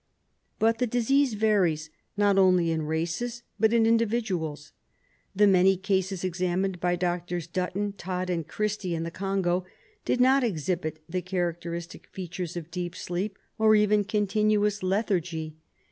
But the disease varies, not only in races, but in indi viduals. The many cases examined by Drs. Dutton, Todd and Christy in the Congo did not exhibit the characteristic features of deep sleep or even continuous lethargy.